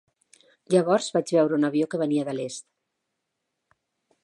Llavors vaig veure un avió que venia de l'est.